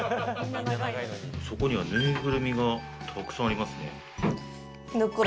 そこには、ぬいぐるみが沢山ありますね。